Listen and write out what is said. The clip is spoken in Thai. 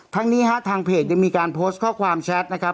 นี้ฮะทางเพจยังมีการโพสต์ข้อความแชทนะครับ